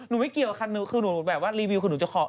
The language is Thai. หนูไม่เกียวค่ะหนึ่งคือหนูแบบว่ารีวิวคุณหนูจะขอ